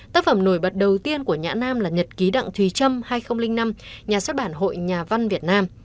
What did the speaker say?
tác phẩm nổi bật đầu tiên của nhã nam là nhật ký đặng thùy trâm hai nghìn năm nhà xuất bản hội nhà văn việt nam